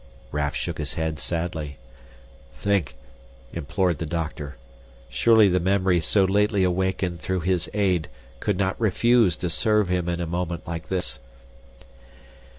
Raff shook his head sadly. "Think!" implored the doctor. Surely the memory so lately awakened through his aid could not refuse to serve him in a moment like this.